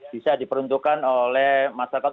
bisa diperuntukkan oleh masyarakat